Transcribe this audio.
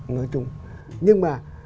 nói chung nhưng mà